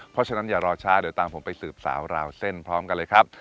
เพราะฉะนั้นอย่ารอช้าเดี๋ยวตามผมไปสืบสาวราวเส้นพร้อมกันเลยครับ